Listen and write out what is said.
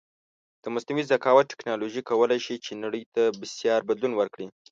د مصنوعې زکاوت ټکنالوژی کولی شې چې نړی ته بیساری بدلون ورکړې